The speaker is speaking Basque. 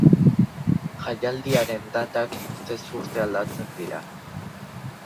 Jaialdiaren datak urtez urte aldatzen dira.